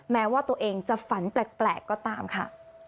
แม้ว่าตัวเองจะฝันแปลกก็ตามค่ะ